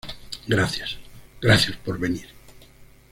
gracias. gracias por venir.